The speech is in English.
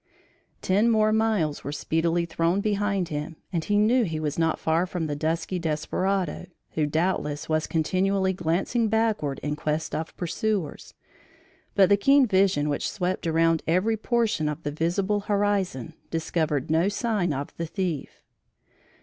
Ten more miles were speedily thrown behind him, and he knew he was not far from the dusky desperado, who doubtless was continually glancing backward in quest of pursuers; but the keen vision which swept around every portion of the visible horizon, discovered no sign of the thief.